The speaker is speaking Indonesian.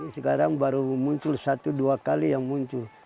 sekarang baru muncul satu dua kali yang muncul